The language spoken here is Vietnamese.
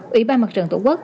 ủy ban mặt trận tổ quốc